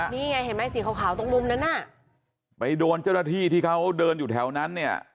นี่ไงเห็นไหมสีขาวตรงมุมนั้นน่ะไปโดนเจ้าหน้าที่ที่เขาเดินอยู่แถวนั้นเนี่ย